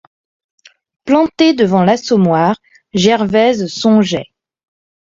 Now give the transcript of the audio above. Plantée devant l'Assommoir, Gervaise songeait.